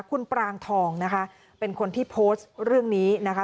คุณปรางทองนะคะเป็นคนที่โพสต์เรื่องนี้นะคะ